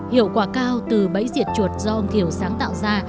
hiệu quả cao từ bẫy diệt chuột do ông thiểu sáng tạo ra